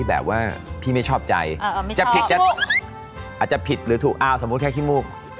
อาจจะผิดหรือถูกอ้าวสมมุติแค่ขี้มูก